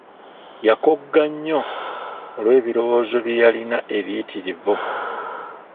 Yakogga nnyo olw'ebirowoozo bye yalina ebiyitirivu.